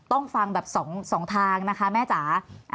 ต้องฟังแบบ๒ทางนะคะแม่จ๋า